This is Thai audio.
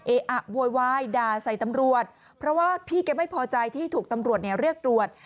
เออะโวยวายด่าใส่ตำรวจเพราะว่าพี่แกไม่พอใจที่ถูกตำรวจเนี่ยเรียกตรวจ